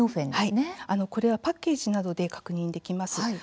これはパッケージなどで確認できます。